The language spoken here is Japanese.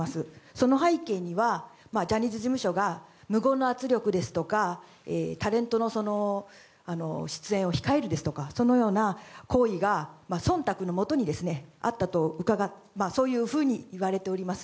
その背景にはジャニーズ事務所が無言の圧力ですとかタレントの出演を控えるですとかそのような行為が忖度のもとにあったと言われております。